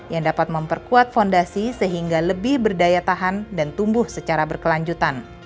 yang dapat memperkuat fondasi sehingga lebih berdaya tahan dan tumbuh secara berkelanjutan